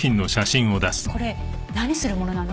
これ何するものなの？